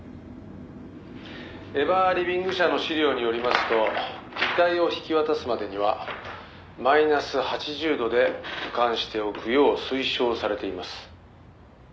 エバーリビング社の資料によりますと遺体を引き渡すまでにはマイナス８０度で保管しておくよう推奨されています。